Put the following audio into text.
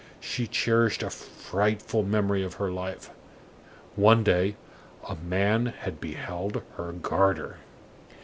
She cherished a frightful memory of her life; one day, a man had beheld her garter.